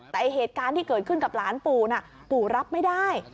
แต่เหตุการณ์ที่เกิดขึ้นกับหลานปู่น่ะปู่ปู่รับไม่ได้